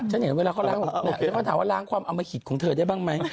ชั้นเห็นเขาขอถามว่าล้างความอมภิษของเธอได้หรือเปล่า